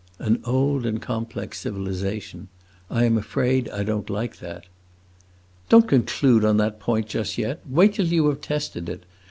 "An old and complex civilization: I am afraid I don't like that." "Don't conclude on that point just yet. Wait till you have tested it.